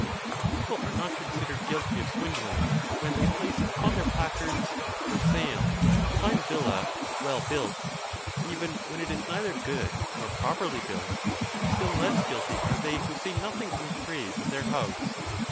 If people are not considered guilty of swindhng when they place upon their placards For Sale : A Fine Villa, Well Built, even when it is neither good nor properly built, still less guilty are they who say nothing in praise of their house.